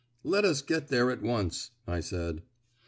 "Let us get there at once," I said.